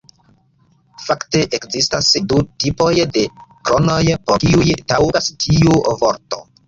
Fakte ekzistas du tipoj de kronoj, por kiuj taŭgas tiu vorto.